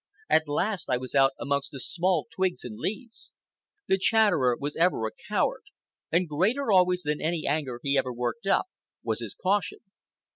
At last I was out amongst the small twigs and leaves. The Chatterer was ever a coward, and greater always than any anger he ever worked up was his caution.